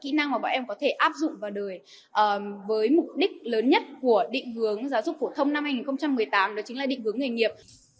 kỹ năng mà bọn em có thể áp dụng và với mục đích lớn nhất của định hướng giáo dục phổ thông năm hai nghìn một mươi tám đó chính là định hướng nghề nghiệp